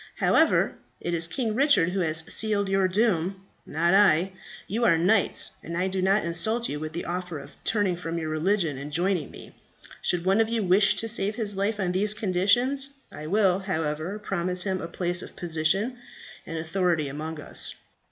However, it is King Richard who has sealed your doom, not I. You are knights, and I do not insult you with the offer of turning from your religion and joining me. Should one of you wish to save his life on these conditions, I will, however, promise him a place of position and authority among us."